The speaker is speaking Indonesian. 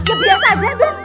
ya biasa aja dong